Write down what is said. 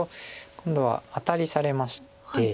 今度はアタリされまして。